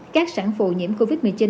các sản phụ nhiễm covid một mươi chín